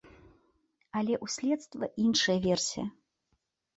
Але ў следства іншая версія.